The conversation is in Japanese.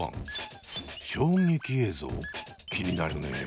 衝撃映像気になるね。